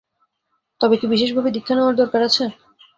তবে কি বিশেষভাবে দীক্ষা নেওয়ার দরকার আছে?